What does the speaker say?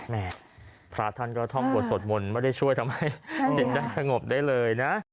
แม่พระท่านก็ท่องบวชสวดมนต์ไม่ได้ช่วยทำให้จิตได้สงบได้เลยนะ